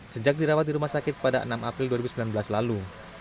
sejak dirawat di rumah sakit pada enam april dua ribu sembilan belas lalu